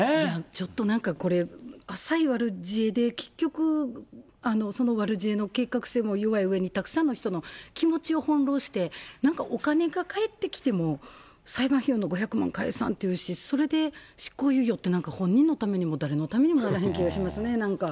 ちょっとなんか、これ、浅い悪知恵で、結局、その悪知恵の計画性も弱いうえにたくさんの人の気持ちを翻弄して、なんかお金が返ってきても、裁判費用の５００万返さんって言うし、それで執行猶予って、なんか本人のためにも、誰のためにもならへん気がしますね、なんか。